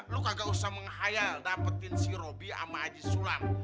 lo kagak usah menghayal dapetin si robby sama haji sulam